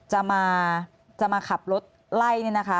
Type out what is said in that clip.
จะมาขับรถไล่นะคะ